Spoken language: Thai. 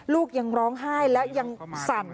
ลูกยังร้องไห้และยังสั่น